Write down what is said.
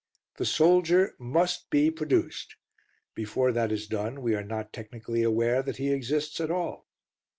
The soldier must be produced. Before that is done we are not technically aware that he exists at all.